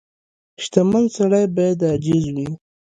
• شتمن سړی باید عاجز وي.